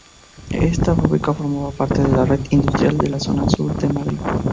Esta fábrica formaba parte de la red industrial de la zona sur de Madrid.